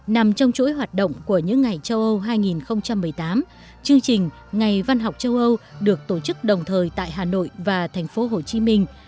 nằm trong chuỗi hoạt động của những ngày châu âu hai nghìn một mươi tám chương trình ngày văn học châu âu được tổ chức đồng thời tại hà nội và thành phố hồ chí minh